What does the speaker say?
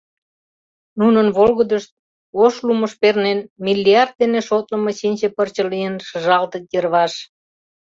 Нунын волгыдышт, ош лумыш пернен, миллиард дене шотлымо чинче пырче лийын шыжалтыт йырваш.